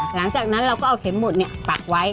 หลังจากนั้นเราก็เอาเข็มหมดปักไว้